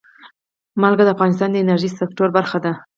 نمک د افغانستان د انرژۍ سکتور برخه ده.